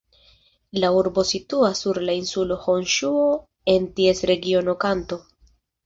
La urbo situas sur la insulo Honŝuo, en ties regiono Kanto.